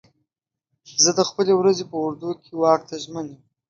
زه د خپلې ورځې په اوږدو کې واک ته ژمن یم.